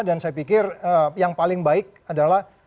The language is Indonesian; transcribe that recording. dan saya pikir yang paling baik adalah